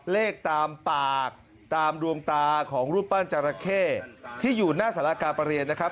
เลขตามปากตามดวงตาของรูปปั้นจราเข้ที่อยู่หน้าสารกาประเรียนนะครับ